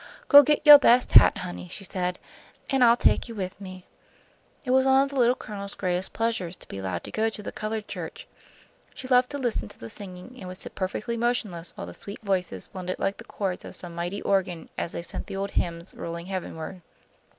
"Go get yo' best hat, honey," she said, "an' I'll take you with me." It was one of the Little Colonel's greatest pleasures to be allowed to go to the coloured church. She loved to listen to the singing, and would sit perfectly motionless while the sweet voices blended like the chords of some mighty organ as they sent the old hymns rolling heavenward.